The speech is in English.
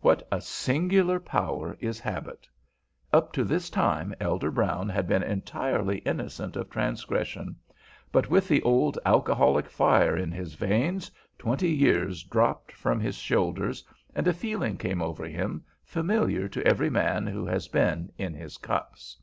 What a singular power is habit! Up to this time Elder Brown had been entirely innocent of transgression, but with the old alcoholic fire in his veins, twenty years dropped from his shoulders, and a feeling came over him familiar to every man who has been "in his cups."